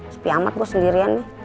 sepiamat gue sendirian nih